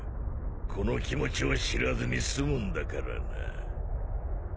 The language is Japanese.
この気持ちを知らずに済むんだからな。